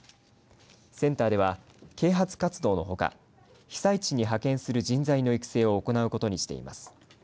センターでは、啓発活動のほか被災地に派遣する人材の育成を行うことにしています。